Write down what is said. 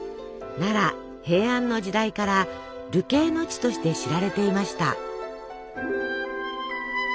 奈良・平安の時代から流刑の地として知られていました。